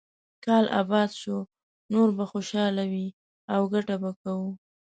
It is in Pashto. کال اباد شو، نور به خوشاله وي او ګټه به کوو.